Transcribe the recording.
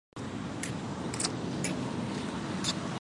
黄氏宗祠古建群的历史年代为清代。